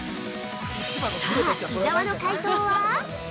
◆さぁ、伊沢の解答は？